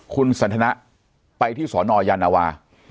คุณสันทนะไปที่สนยานวา